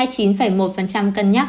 hai mươi chín một cân nhắc